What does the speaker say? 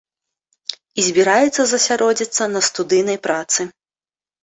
І збіраецца засяродзіцца на студыйнай працы.